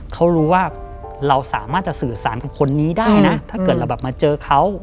เขารู้ว่าเราสามารถจะสื่อสารกับคนนี้ได้นะถ้าเกิดเราแบบมาเจอเขา